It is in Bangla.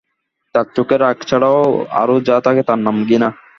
তার চোখে রাগ ছাড়াও আর যা থাকে তার নাম ঘৃণা।